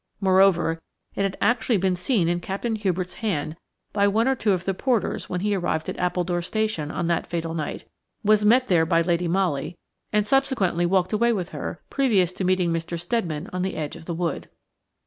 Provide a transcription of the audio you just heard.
Moreover, it had actually been seen in Captain Hubert's hand by one or two of the porters when he arrived at Appledore Station on that fatal night, was met there by Lady Molly, and subsequently walked away with her previous to meeting Mr. Steadman on the edge of the wood.